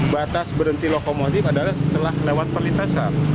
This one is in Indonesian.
batas berhenti lokomotif adalah setelah lewat perlintasan